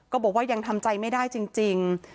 บอกว่ายังทำใจไม่ได้จริง